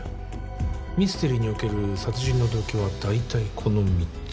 ミステリーにおける殺人の動機はだいたいこの３つ。